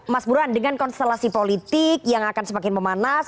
mas burhan dengan konstelasi politik yang akan semakin memanas